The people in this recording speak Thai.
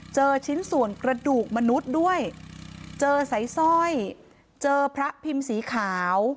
เจอชิ้นส่วนกระดูกมนุษย์ด้วยเจอสายสร้อยเจอพระพิมพ์สีขาว